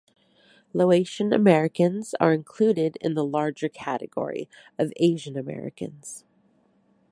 Laotian Americans are included in the larger category of Asian Americans.